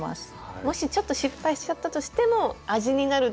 もしちょっと失敗しちゃったとしても味になるという。